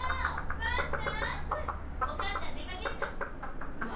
パンタおかあさん出かけるからまあ！